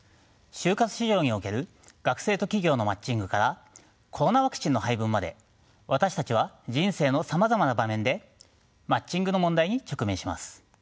就活市場における学生と企業のマッチングからコロナワクチンの配分まで私たちは人生のさまざまな場面でマッチングの問題に直面します。